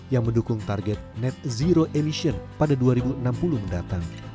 yang mendukung target net zero emission pada dua ribu enam puluh mendatang